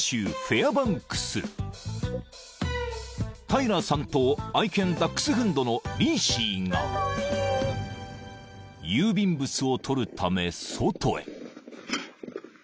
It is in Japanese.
［タイラーさんと愛犬ダックスフンドのリーシーが郵便物を取るため外へ］